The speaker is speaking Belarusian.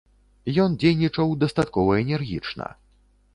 Ён дзейнічаў дастаткова энергічна.